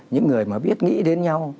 những người mà biết nghĩ đến nhau